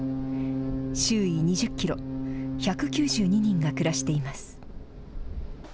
周囲２０キロ、１９２人が暮らしています。